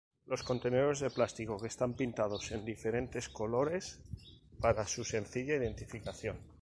Son contenedores de plástico que están pintados en diferentes colores para su sencilla identificación.